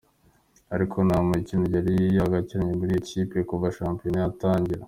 Ariko nta mukino yari yagakinnye muri iyo kipe kuva shampiyona yatangira.